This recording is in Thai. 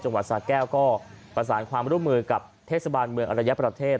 สาแก้วก็ประสานความร่วมมือกับเทศบาลเมืองอรยประเทศ